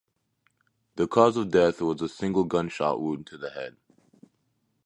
The cause of death was a single gunshot wound to the head.